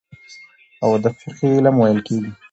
او د فقهي علم ويل کېږي.